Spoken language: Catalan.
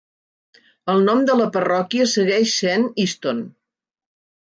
El nom de la parròquia segueix sent Easton.